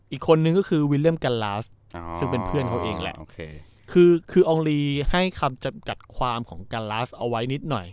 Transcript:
อีกคนนึงก็คือวิลเลี่ยมกัลลาสซึ่งเป็นเพื่อนเขาเองแหละโอเคคือคืออองลีให้คำจำจัดความของกัลลาสเอาไว้นิดหน่อย